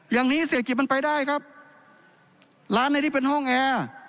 อย่างนี้เศรษฐกิจมันไปได้ครับร้านไหนที่เป็นห้องแอร์